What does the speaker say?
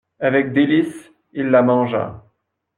Avec délices, il la mangea.